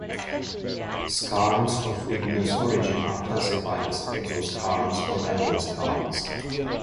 Skarns of igneous origin are classified as "exoskarns" or "endoskarns".